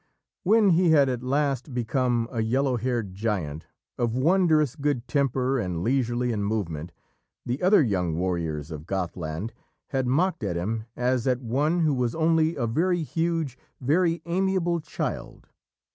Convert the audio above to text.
When he had at last become a yellow haired giant, of wondrous good temper, and leisurely in movement, the other young warriors of Gothland had mocked at him as at one who was only a very huge, very amiable child.